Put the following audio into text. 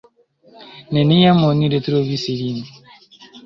Neniam oni retrovis ilin.